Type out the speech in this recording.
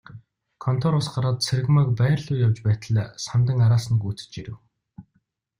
Контороос гараад Цэрэгмааг байр руугаа явж байтал Самдан араас нь гүйцэж ирэв.